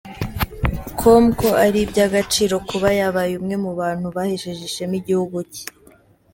com ko ari iby’agaciro kuba yabaye umwe mu bantu bahesheje ishema igihugu cye.